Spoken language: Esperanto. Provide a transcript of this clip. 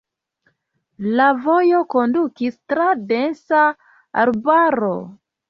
La vojo kondukis tra densa arbaro.